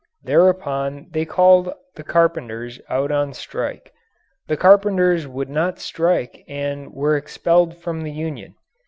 Thereupon they called the carpenters out on strike. The carpenters would not strike and were expelled from the union.